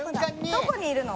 どこにいるの？